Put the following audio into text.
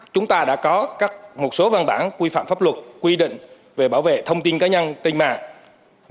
chúng ta đã có một số văn bản quy phạm pháp luật quy định về bảo vệ thông tin cá nhân trên mạng